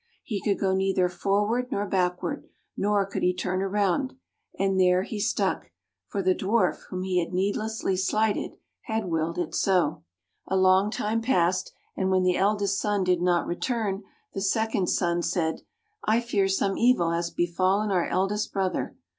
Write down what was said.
He could go neither forward nor backward, nor could he turn around. And there he stuck; for the [ 100 ] THE HEALING WATER Dwarf whom he had needlessly slighted had willed it so. A long time passed, and when the eldest son did not return, the second son said, " I fear some evil has befallen our eldest brother.